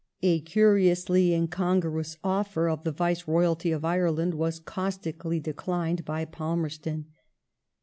A curiously incongruous offer of the Vice royalty of Ireland was caustically declined by Palmerston.